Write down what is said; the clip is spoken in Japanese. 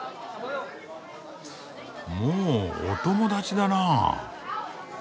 もうお友達だなあ。